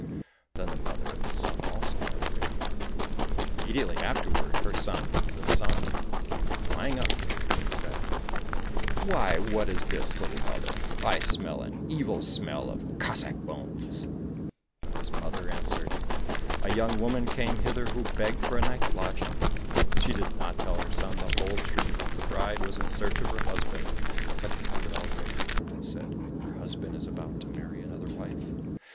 Then the Mother of the Sun also let her in. Immediately afterward her son, the Sun, came flying up, and he said, " Why, what is this, little mother ? I smell an evil smell of Cossack bones !"— But his mother answered, " A young woman came hither who begged for a night's lodging." She did not tell her son the whole truth, that the bride was in search of her husband, but he knew it already, and said, *' Her husband is about to marry another wife.